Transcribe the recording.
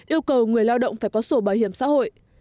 yêu cầu người lao động phải có sổ bảo hiểm xã hội